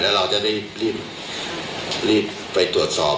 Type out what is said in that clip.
แล้วเราจะได้รีบไปตรวจสอบ